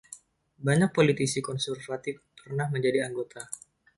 Banyak politisi konservatif pernah menjadi anggota.